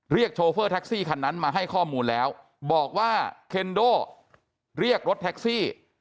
โชเฟอร์แท็กซี่คันนั้นมาให้ข้อมูลแล้วบอกว่าเคนโดเรียกรถแท็กซี่